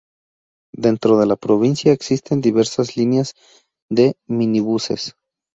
Dentro de la provincia existen diversas líneas de minibuses.